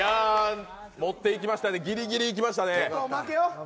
持っていきましたねぎりぎりきましたね。